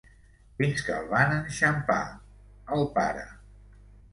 Fins que el van enxampar, el pare.